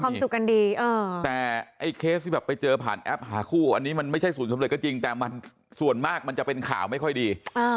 กันดีแต่ไอ้เคสที่แบบไปเจอผ่านแอปหาคู่อันนี้มันไม่ใช่ศูนย์สำเร็จก็จริงแต่มันส่วนมากมันจะเป็นข่าวไม่ค่อยดี